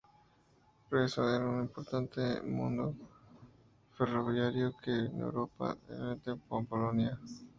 Rzeszów es un importante nudo ferroviario, que une Europa del Este con Polonia.